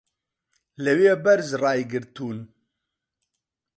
لەوێ بەرز ڕایگرتوون